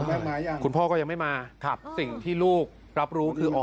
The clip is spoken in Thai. คุณแม็กซ์มายังคุณพ่อก็ยังไม่มาครับสิ่งที่ลูกรับรู้คืออ๋อ